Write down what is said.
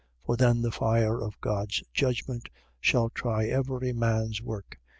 For then the fire of God's judgment shall try every man's work.